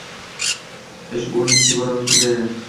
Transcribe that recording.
Ish o‘rni ikki barobar ko‘payadi